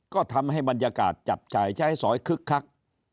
ก็ทำให้บรรยากาศจับจ่ายใช้สอยคึกคัก